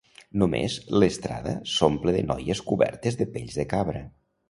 Després l'estrada s'omple de noies cobertes de pells de cabra.